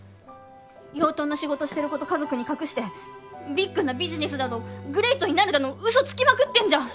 養豚の仕事してること家族に隠してビッグなビジネスだのグレイトになるだのウソつきまくってんじゃん！